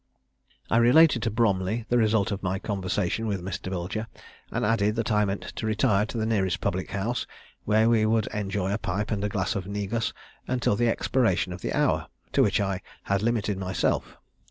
I related to Bromley the result of my conversation with Mr. Bilger, and added that I meant to retire to the nearest public house, where we could enjoy a pipe and a glass of negus until the expiration of the hour, to which I had limited myself.